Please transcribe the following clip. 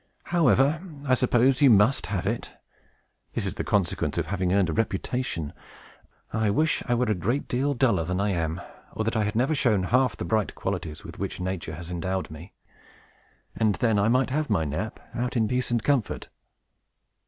"However, I suppose you must have it. This is the consequence of having earned a reputation! I wish I were a great deal duller than I am, or that I had never shown half the bright qualities with which nature has endowed me; and then I might have my nap out, in peace and comfort!"